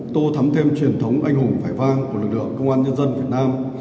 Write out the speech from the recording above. tô thắm thêm truyền thống anh hùng vẻ vang của lực lượng công an nhân dân việt nam